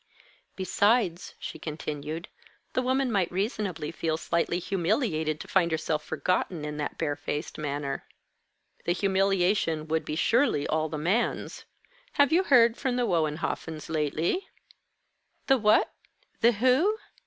"Besides," she continued, "the woman might reasonably feel slightly humiliated to find herself forgotten in that bare faced manner." "The humiliation would be surely all the man's. Have you heard from the Wohenhoffens lately?" "The what? The who?"